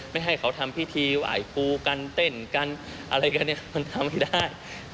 ไม่ให้เขาทำพิธีไหว้ครูกันเต้นกันอะไรกันเนี่ยมันทำไม่ได้